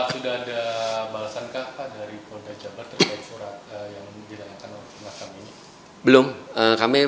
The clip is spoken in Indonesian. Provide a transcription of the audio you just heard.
sudah ada balasan kah pak dari polda jabar terkait surat yang didalamkan oleh komnas ham ini